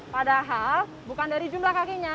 padahal bukan dari jumlah kakinya